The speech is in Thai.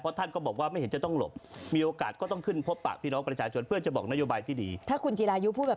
เพราะท่านก็บอกว่าไม่เห็นว่าจะต้องหลบ